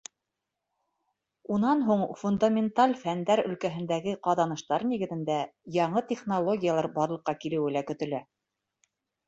Унан һуң фундаменталь фәндәр өлкәһендәге ҡаҙаныштар нигеҙендә яңы технологиялар барлыҡҡа килеүе лә көтөлә.